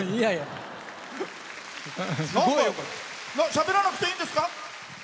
しゃべらなくていいんですか？